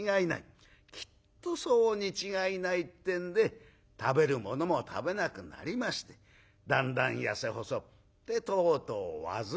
きっとそうに違いないってんで食べるものも食べなくなりましてだんだん痩せ細ってとうとう患ってしまいました』